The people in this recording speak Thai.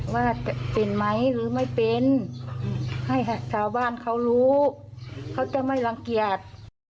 ว่าจะเป็นไหมหรือไม่เป็นให้ชาวบ้านเขารู้เขาจะไม่รังเกียจ